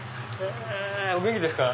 お元気ですか？